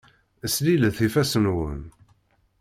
Slilet ifassen-nwen.